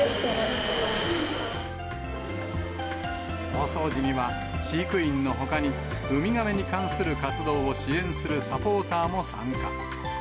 大掃除には、飼育員のほかに、ウミガメに関する活動を支援するサポーターも参加。